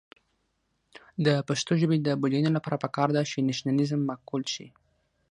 د پښتو ژبې د بډاینې لپاره پکار ده چې نیشنلېزم معقول شي.